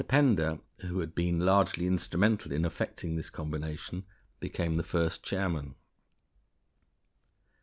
Pender, who had been largely instrumental in effecting this combination, became the first chairman.